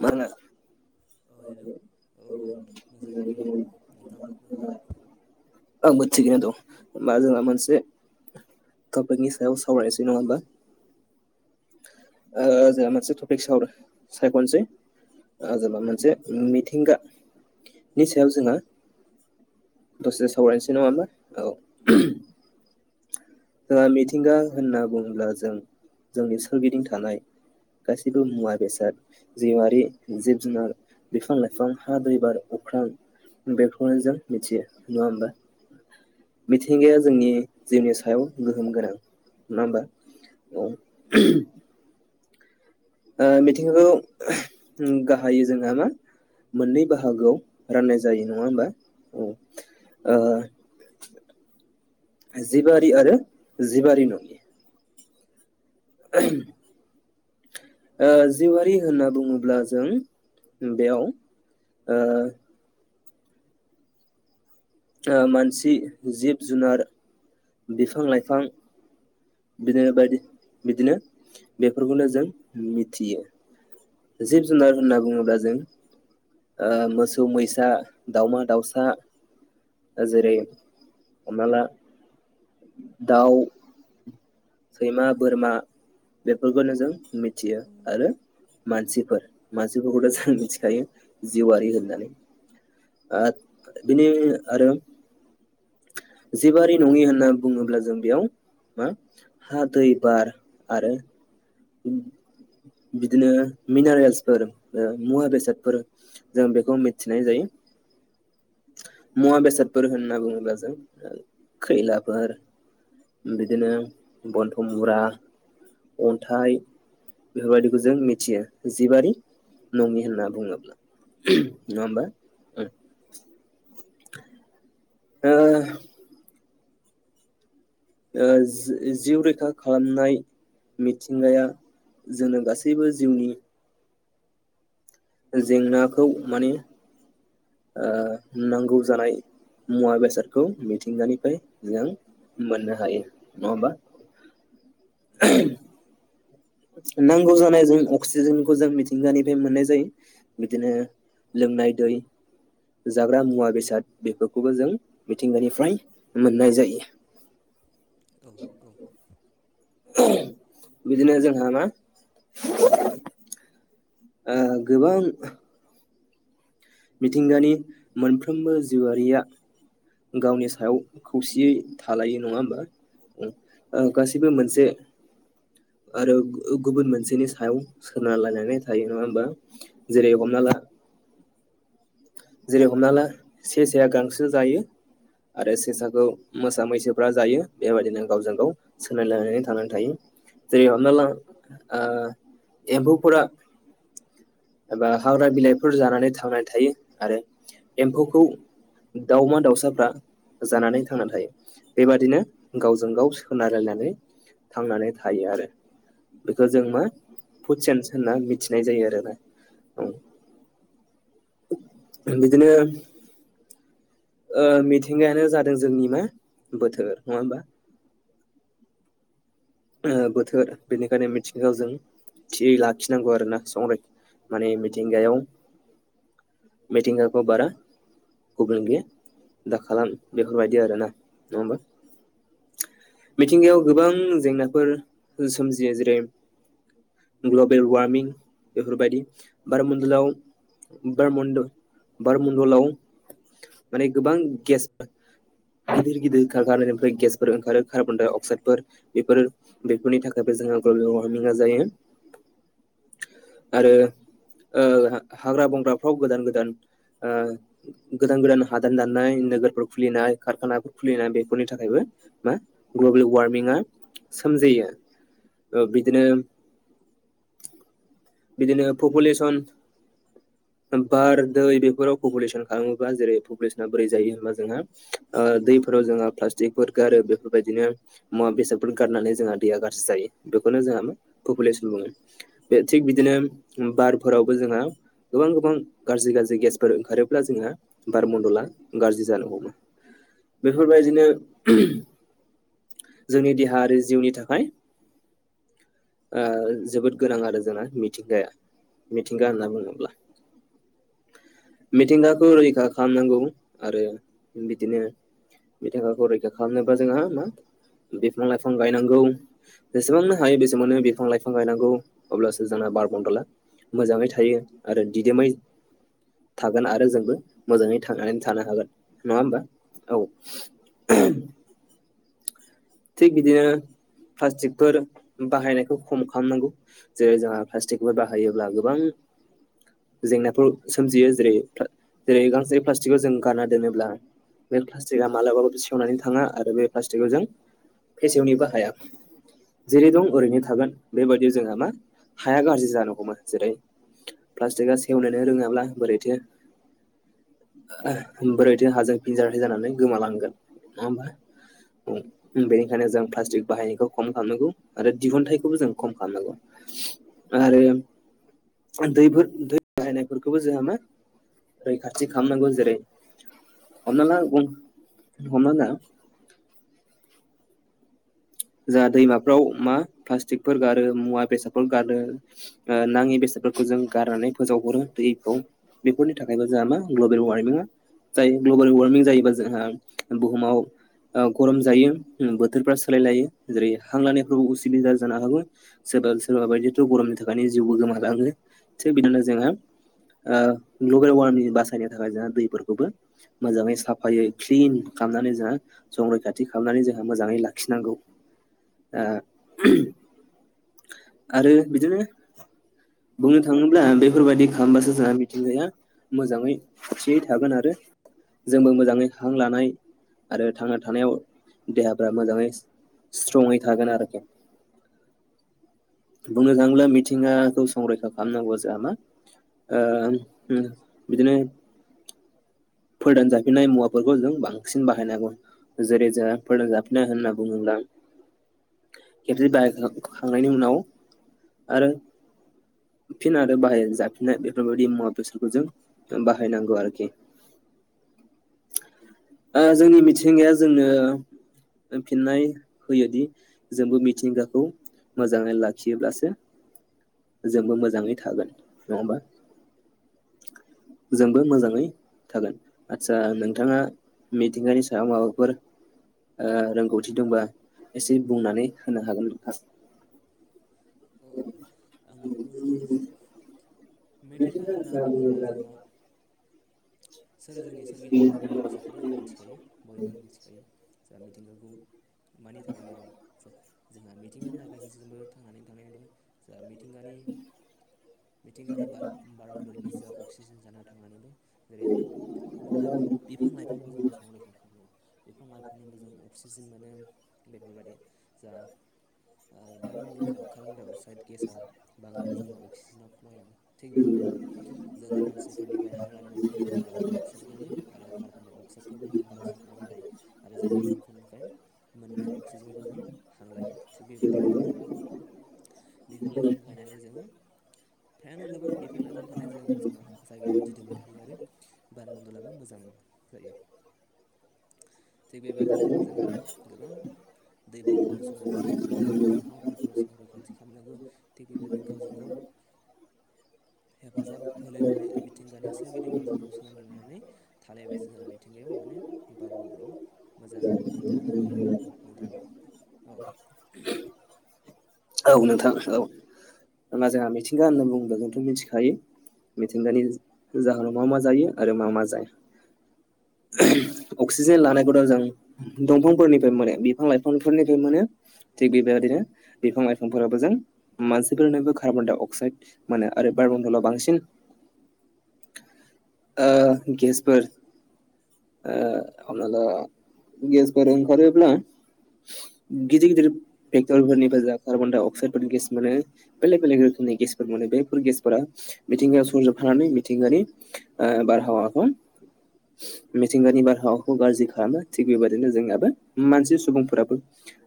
मा होननो अ हेल' औ आं मोजाङै दङ नोंथां नोंहालाय आंबो थिगैनो दं होमबा जोंहा मोनसे टपिकनि सायाव सावरायनोसै नङा होमबा ओ जोंहा मोनसे टपिक सावरो सायख'ननोसै ओ जा मोनसे मिथिंगा नि सायाव जोङो दसे सावरायनोसै नङा होमबा औ जोंहा मिथिंगा होनना बुङोब्ला जों जोंनि सोरगिदिं थानाय गासिबो मुवा बेसाद जिवारि जिब जुनार बिफां लाइफां हा दै बार अख्रां बेखौनो जों मिथियो नङा होमबा मिथिंगाया जोंनि जिउनि सायाव गोहोम गोनां नङा होमबा औ ओ मिथिंगाखौ गाहायो जोंहा मा मोननै बाहागोआव राननाय जायो नङा होमबा औ ओ जिबारि आरो जिबारि नङि [inaudible] ओ जिवारि होनना बुङोब्ला जों बेयाव ओ ओ मानसि जिब जुनार बिफां लाइफां बिदिनो बायदि बिदिनो बेफोरखौनो जों मिथियो जिब जुनार होनना बुङोब्ला जों ओ मोसौ मैसा दावमा दाउसा जेरै हमना ला दाउ सैमा बोरमा बेफोरखौनो जों मिथियो आरो मानसिफोर मानसिफोरखौथ' जों मिथिखायो जिउवारि होननानै आद बिनि आरो जिबारि नङि होनना बुङोब्ला जों बेयाव मा हा दै बार आरो बिदिनो मिनारेल्सफोर मुवा बेसादफोर जों बेखौ मिथिनाय जायो। [inaudible] मुवा बेसादफोर होनना बुङोब्ला जों खैलाफोर बिदिनो बनफं मुरा अन्थाइ बेफोरबायदिखौ जों मिथियो जिबारि नङि होनना बुङोब्ला नङा होमबा उम ओ ओ जो जिउ रैखा खालामनाय मिथिंगाया जोंनो गासैबो जिउनि जेंनाखौ माने ओ नांगौ जानाय मुवा बेसादखौ मिथिंगानिफ्राय जों- मोननो हायो नङा होमबा ओहोम नांगौ जानाय जों अक्सिजेनखौ जों मिथिंगानिफ्राय मोननाय जायो बिदिनो लोंनाय दै जाग्रा मुवा बेसाद बेफोरखौबो जों मिथिंगानिफ्राय मोननाय जायो। [inaudible] औ औ। बिदिनो जोंहा मा [inaudible] ओ गोबां मिथिंगानि मोनफ्रोमबो जिउआरिया गावनि सायाव खौसेयै थालायो नङा होमबा उम ओ गासैबो मोनसे आरो गुबुन मोनसेनि सायाव सोनार लायलायनाय थायो नङा होमबा जेरै हमना ला जेरै हमना ला सेसाया गांसो जायो। आरो सेसाखौ मोसा मैसोफ्रा जायो बेबायदिनो गावजों गाव सोलायलायनानै थांनानै थायो। जेरै हमना ला ओ एम्बौफोरा एबा हाग्रा बिलाइफोर जानानै थांनानै थायो आरो। दाउमा दाउसाफ्रा जानानै थांनानै थायो बेबादिनो गावजों गाव सोनारलायनानै थांनानै थायो आरो। बेखौ जों मा फुडसेन्स होनना मिथिनाय जायो आरोना औ बिदिनो ओ मिथिंगायानो जादों जोंनि मा बोथोर नङा होमबा ओ बोथोर बेनिखायनो मिथिंगायाव जों थियै लाखिनांगौ आरोना संरै माने मिथिंगायाव मिथिंगाखौ बारा गुबुंले दाखालाम बेफोरबायदि आरोना नङा होमबा। मिथिंगायाव गोबां जेंनाफोर सोमजियो जेरै ग्लबेल वार्मिं बेफोरबायदि बार मन्दलआव बारमण्ड बारमण्डलाव माने गोबां गेस गिदिर गिदिर खारखानानिफ्राय गेसफोर ओंखारो कार्बन डाइ अक्साइदफोर बेफोर बेफोरनि थाखायबो जोंहा ग्लबेल वार्मिंआ जायो आरो। ओ हाग्रा बंग्राफ्राव गोदान गोदान ओ गोदान गोदान हादान दाननाय नोगोरफोर खुलिनाय कारखानाफोर खुलिनाय बेफोरनि थाखायबो मा ग्लबेल वारमिंआ सोमजियो ओ बिदिनो बिदिनो पपुलेसन बार दै बेफोराव पपुलेसन खालामोबा जेरै पपुलेसना बोरै जायो होनबा जोंहा ओ दै फोराव जोंङो प्लाटिकफोर गारो बेफोरबायदिनो मुवा बेसादफोर गा नानै जों गाज्रि जायो बेखौनो जोंहा मा पपुलेसन बुङो। थिग बिदिनो बारफोरावबो जोंहा गोबां गोबां गाज्रि गाज्रि गेसफोर ओंखारोब्ला जोंहा बारमन्दला गाज्रि जानो हमो बेफोरबायदिनो [inaudible] थाखाय ओ जोबोद गोनां आरो जोंना मिथिंगाया। मिथिंगा होनना बुङोब्ला। मिथिंगाखौ रैखा खालामनांगौ आरो बिदिनो मिथिंगाखौ रैखा खालामनोबा जोंहा मा बिफां लाइफां नांगौ सेबांनो हायो बेसेबां बिफां लाइफां गायनांगौ अब्लासो जोंना बार बनन्दला मोजाङै थायो आरो दिदोमै थागोन आरो जोंबो मोजाङै थांनानै थानो हागोन नङा होमबा औ [inaudible] थिग बिदिनो प्लास्टिकफोर बाहायनायखौ खम खालामनांगौ जेरै जोंहा प्लास्टिकफोर बाहायोब्ला गोबां [inaudible] जेंनाफोर सोमजियो जेरै जेरै गांसे प्लास्टिकखौ जों गानना दोनोब्ला बे प्लास्टिकआ मालाबााबो सेवनानै थाङा आरो बे प्लास्टिकखौ जों फेसेवनि बाहाया जेरै दं ओरैनो थागोन बेबायदियाव जोंहा मा हाया गाज्रि जानो हमो जेरै प्लास्टिकआ सेवलायनो रोङाब्ला बोरैथो बोरैथो हाजों फिनजारै जानानै गोमालांगोन नङा होमबा बेनिखायनो जों प्लास्टिक बाहायनायखौ खम खालामनांगौ आरो दिहुनथाइखौबो जों खम खालामनांगौ। आरो दैफोर दै बाहायनायफोरखौबो जोंहा मा रैखाथि खालामनांगौ जेरै हमना ला हमना ला जाहा दैमाफ्राव मा प्लास्टिकफोर गारो मुवा बेसादफोर गारो नाङि बेसाद बेफोरखौ जों गारनानै फोजावहरो दैखौ बेफोरनि थाखायबो जों मो ग्लबेल वारमिंआ जायो ग्लबेल वारमिं जायोबा जों बुहुमाव गरम जायो बोथोरफ्रा सोलाय लायो। जेरै हांलानायफ्रावबो उसुबिदा जानो हागौ सोरबा सोरबा बायदिथ' गरमनि थाखायनो जिउबो गोमालाङो थिग बिदिनो जोङो ग्लबेल वार्मिं बासायनो थाखाय जोंहा दैफोरखौबो मोजाङै साफायो क्लिन खालामनानै जोङो संरैखाथि खालामनानै जोंहा मोजाङै लाखिनांगौ। आ आरो बिदिनो बुंनो थाङोब्ला बेफोरबायदि खालामबासो जोंहा मिथिंगाया मोजाङै थियै थागोन आरो जोंबो मोजाङै हां लानाय आरो थांना थानायाव देहाफ्रा मोजाङै स्ट्रङै थागोन आरोखि बुंनो थाङोब्ला मिथिंगाखौ संरैखा खालामनांगौआ जाया मा? ओ ओम बिदिनो फोरदान जाफिननाय मुवाफोरखौ जों बांसिन बाहायन हांगौ जेरै जों फोरदान जाफिननाय होननानै खेबसे बाहायखांनायनि उनाव आरो फिन आरो बाहाय जाफिननाय बेफोरबायदि मुवा बेसादफोरखौ जों बाहायनांगौ आरोखि। [inaudible] ओ जोंनि मिथिंगाया जोंनो फिननाय होयोदि जोंबो मिथिंगाखौ मोजाङै लाखियोब्लासो जोंबो मोजाङै थागोन नङा होमबा? जोंबो मोजाङै थागोन आचसा नोंथाङा मिथिंगानि सायाव माबाफोर ओ रोंगौ थि दबा एसे बुंनानै होनो हागोन नोंथां औ औ आङोबो मिथिंगा होनना बुङोब्ला जोंहा सोर जोंनि सोरगिदिंनो थानाय मुवा बेसादखौथ' जों मिथिखायो बयबो मिथिखायो दा मिथिंगाखौ मानि थाखाय गोनां जा जोंहा मिथिंगानि थाखायसो जोंबो थांनानै थाना दं जोंहा मिथिंगानि मिथिंगानि बार बारमन्दलनि बेसोआव अक्सिजेन जानख थांनानैबो जेरै बिफां लाइफांखौ जोंहा संरैखा खालामनां [inaudible] बारमडलाव जोंहा कार्बन डाइ अक्साइड गेसआ बांद्रायबो जोंना अक्सिजेनाव खमायलाङो। थिग बेबायदिनो जों मानसिफोरनिफ्राय हां लानायनिफ्राय जाय कार्बन दडाइ अक्साइड गयो आरो कार्बन दडाइ अक्साइडखौ बिफांफोरा सोबनानै लायो आरो जों बिफांफोरनिफ्राय मोननाय अक्सिजेनफोरजों हांलायो थिग बेबायदिनो [inaudible] बिफां लाइफां गायनानै जोङो फ्रायानो गोबां बिफां लाइफां थानाय जायगायाव जोंहा जायगाया दिदोमै थायो आरो बार मन्दलाबो मोजां जायो। थिग बेबादिनो जोंहा गोबां दैफोरखौबो संरैखाथि खालामनांगौ हाफोरखौबो संरैखाथि खालामनांगौ थिग बेबायदिनो गावजों गाव [inaudible] हेफाजाब होलायनानै मिथिंगानि सोरगिदिं गावजों गाव सोलों लानानै थालायबाय जों मिथिंगाया माने बारमण्डलाव मोजाङै थानो हायो आरो नोंथां औ औ नोंथां औ जोंहा मिथिंगा होनना बुंबा जोंथ' मिथिखायो मिथिंगानि जाहोनाव मा मा जायो आरो मा मा जाया अक्सिजेन लानायखौथ' जों दंफांफोरनिफ्राय मोनो बिफां लाइफांफोरनिफ्राय मोनो थिग बेबायबायदिनो बिफां लाइफांफोराबो जों मासि नोबो कार्बन डाय अक्साइद मोनो आरो बायरमणडलाव बांसिन गेसफोर ओ हमना ला गेसफोर ओंखारोब्ला गिदिर गिदिर फेक्टरिफोरनि कार्बन डाइ अक्साइडफोरनि गेस मोनो बेलेग बेलेग रोखोमनि गेसफोर मोनो बेफोर गेस मिथिंगायाव सुरजोबफानानै मिथिंगानि बारहावाखौ मिथिंगानि बारहावाखौ गाज्रि खालामो थिग बेबायदिनो जोंनियाबो मानसि सुबुंफोराबो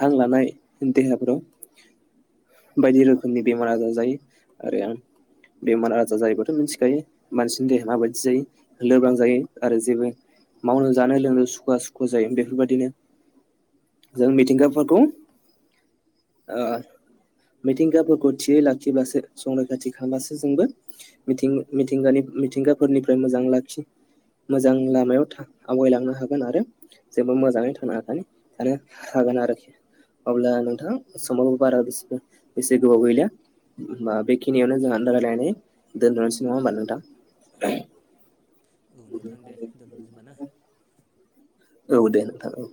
हां लानाय देहाफोराव बायदि रोखोमनि बेमार आजार जायो आरो बेमार आजार जायोब्लाथ' मिथिखायो मानसिनि देहा माबायदि जायो लोरबां जायो आरो जेबो मावनो जानो लोंनो सुखुवा सुखुवा जायो बेफोरबायदिनो जों मिथिंगाफोरखौ मिथिंगाफोरखौ थियैनो लाखिबासो संरैखाथि खालामबासो जोंबो मिथिं मिथिंगानि मिथिंगाफोरनिफ्राय मोजां लाखि मोजां लामायाव आवगायलांनो हागोन आरो जोंबो मोजाङै थांनानै थानो हागोन आरोखि अब्ला नोंथां समाव बारा बेसे गोबाव गैलिया होनबा बेखिनियावनो जों दा रायलालनानै दोन'नोसै नङा होमबा नोंथां? औ नोंथां दे दोनथ'नोसै होनबा ना औ दे नोंथां औ